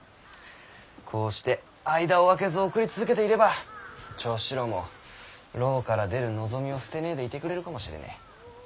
こうして間を空けず送り続けていれば長七郎も牢から出る望みを捨てねぇでいてくれるかもしれねぇ。